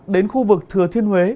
đến khu vực thừa thiên huế